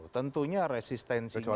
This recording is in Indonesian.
tentunya resistensinya akan